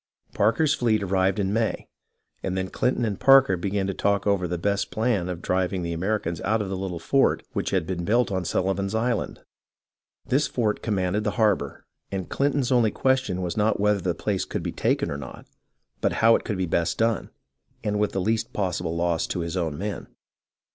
Parker's fleet arrived in May, and then Clinton and Parker began to talk over the best plan of driving the Americans out of the little fort which had been built on Sullivan's Island. This fort commanded the harbour, and Clinton's only question was not whether the place could be taken or not, but how could it best be done, and with the least possible loss to his own men.